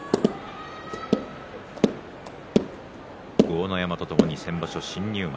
豪ノ山とともに先場所新入幕。